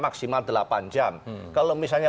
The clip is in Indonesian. maksimal delapan jam kalau misalnya